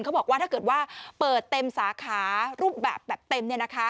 เขาบอกว่าถ้าเกิดว่าเปิดเต็มสาขารูปแบบแบบเต็ม